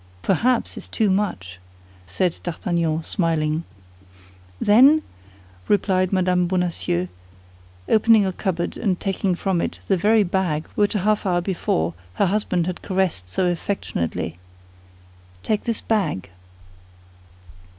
"Perhaps is too much," said D'Artagnan, smiling. "Then," replied Mme. Bonacieux, opening a cupboard and taking from it the very bag which a half hour before her husband had caressed so affectionately, "take this bag."